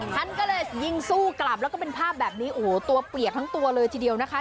ฉันก็เลยยิงสู้กลับแล้วก็เป็นภาพแบบนี้โอ้โหตัวเปียกทั้งตัวเลยทีเดียวนะคะ